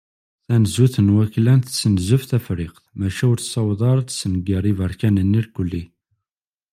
Tanezzut n waklan tessenzef Tafriqt, maca ur tessaweḍ ara ad tessenger Iberkanen irkelli.